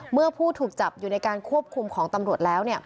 เมื่อผู้ถูกจับอยู่ในการควบคุมของตำรวจแล้ว